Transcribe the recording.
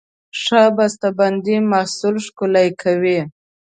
ښه بسته بندي محصول ښکلی کوي.